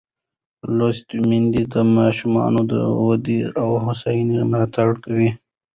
لوستې میندې د ماشوم د ودې او هوساینې ملاتړ کوي.